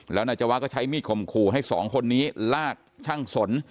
แล้วนายจวะก็ใช้มีดข่มขู่ให้สองคนนี้ลากช่างสน